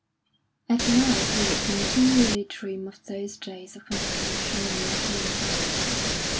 At night he would continually dream of those days of confusion and mortal anxiety.